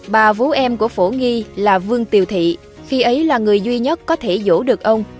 bà vũ em của phổ nghi là vương tiều thị khi ấy là người duy nhất có thể dỗ được ông